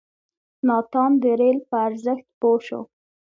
ناتان د رېل په ارزښت پوه شو.